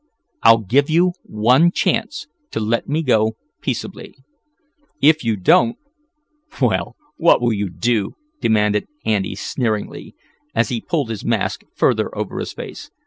"I'll give you one chance to let me go peaceably. If you don't " "Well, what will you do?" demanded Andy sneeringly, as he pulled his mask further over his face.